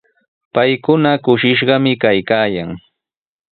Paykuna kushishqami kaykaayan.